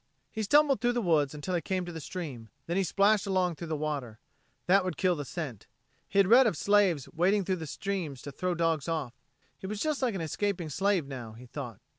He stumbled through the woods until he came to the stream; then he splashed along through the water. That would kill the scent. He had read of slaves wading through streams to throw dogs off. He was just like an escaping slave now, he thought.